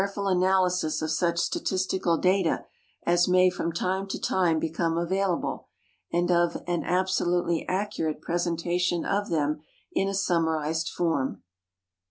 ful analysis of such statistical data as may from time to time become available and of an absolutely accurate presentation oi them in a sum marized form.